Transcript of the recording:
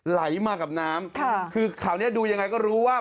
ไหลมากับน้ำค่ะคือข่าวนี้ดูยังไงก็รู้ว่า